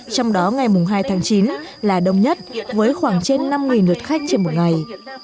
trong đó ngày hai tháng chín là đông nhất với khoảng trên năm lượt khách trên một ngày